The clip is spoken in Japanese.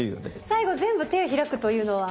最後全部手を開くというのは？